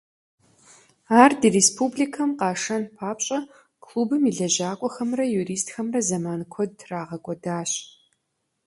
Ар ди республикэм къашэн папщӀэ, клубым и лэжьакӀуэхэмрэ юристхэмрэ зэман куэд трагъэкӀуэдащ.